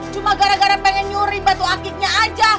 cuma gara gara pengen nyuri batu akiknya aja